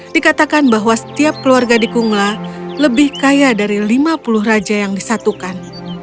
dikatakan bahwa setiap keluarga di kungla lebih kaya dari lima puluh raja yang disatukan